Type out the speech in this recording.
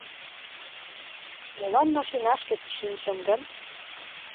Молан машинашкет шинчым гын?..